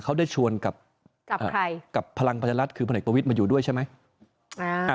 เขาได้ชวนกับพลังปัจจันรัฐคือคนเอกประวิทย์มาอยู่ด้วยใช่ไหม